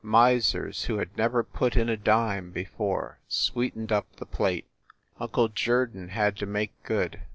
Misers who had never put in a dime before sweetened up the plate. Uncle Jerdon had to make good.